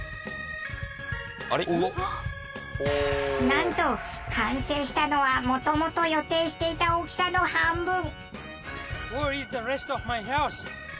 なんと完成したのはもともと予定していた大きさの半分。